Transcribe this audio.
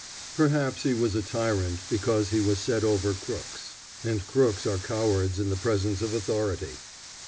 Perhaps he was a tyrant because he was set over crooks, and crooks are cowards in the presence of authority.